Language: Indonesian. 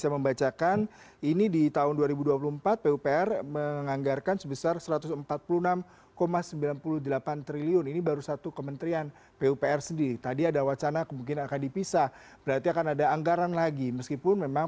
pemirsa pemerintahan prabowo gibran